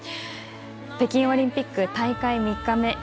北京オリンピック大会３日目